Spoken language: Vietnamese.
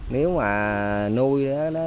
nếu mà nuôi nó